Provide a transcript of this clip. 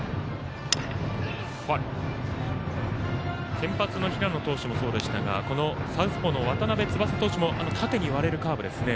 先発の平野投手もそうでしたがこのサウスポーの渡邉翼投手も縦に割れるカーブですね。